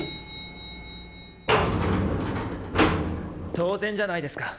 当然じゃないですか。